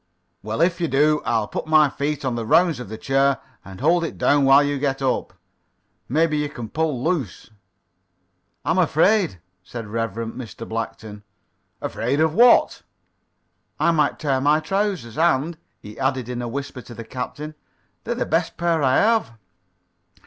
"Well, if you do I'll put my feet on the rounds of the chair and hold it down while you get up. Maybe you can pull loose." "I'm afraid," said Rev. Mr. Blackton. "Afraid of what?" "I might tear my trousers, and," he added in a whisper to the captain, "they're the best pair I have."